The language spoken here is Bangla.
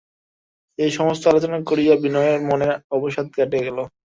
এই সমস্ত আলোচনা করিয়া বিনয়ের মনের অবসাদ কাটিয়া গেল।